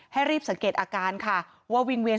ให้รีบสังเกตอาการค่ะว่าวิ่งเวียน